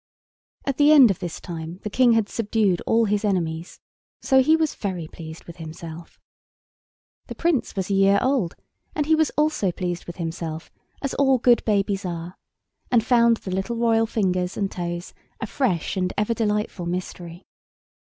At the end of this time the King had subdued all his enemies, so he was very pleased with himself. The Prince was a year old, and he also was pleased with himself, as all good babies are, and found the little royal fingers and toes a fresh and ever delightful mystery.